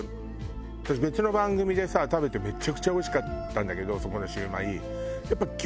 別の番組で食べてめちゃくちゃおいしかったんだけどそこのシュウマイ。